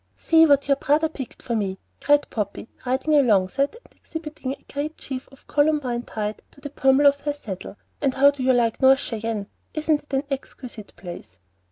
"See what your brother picked for me," cried Poppy, riding alongside, and exhibiting a great sheaf of columbine tied to the pommel of her saddle. "And how do you like North Cheyenne? Isn't it an exquisite place?"